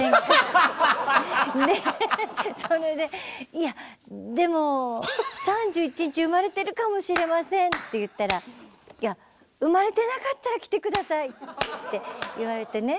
「いやでも３１日産まれてるかもしれません」って言ったら「産まれてなかったら来て下さい」って言われてね